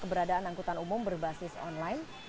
keberadaan angkutan umum berbasis online